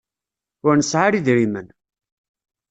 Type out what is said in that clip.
Ur nesɛa ara idrimen.